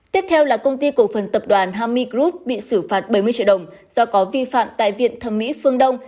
tiếp theo là công ty cổ phần tập đoàn hami group bị xử phạt bảy mươi triệu đồng do có vi phạm tại viện thẩm mỹ phương đông